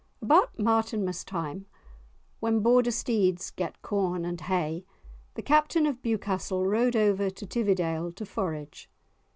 About Martinmas time, when Border steeds get corn and hay, the Captain of Bewcastle rode over to Tividale to forage.